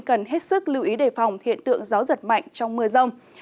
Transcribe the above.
cần hết sức lưu ý đề phòng hiện tượng gió giật mạnh trong mưa rông